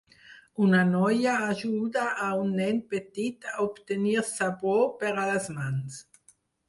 Una noia ajuda a un nen petit a obtenir sabó per a les mans.